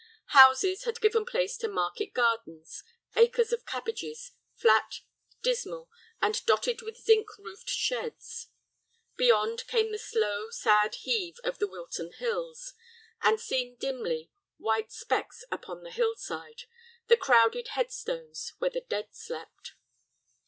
Houses had given place to market gardens, acres of cabbages, flat, dismal, and dotted with zinc roofed sheds. Beyond came the slow, sad heave of the Wilton hills, and, seen dimly—white specks upon the hill side—the crowded head stones where the dead slept.